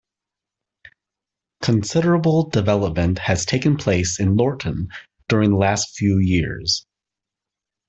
Considerable development has taken place in Lorton during the last few years.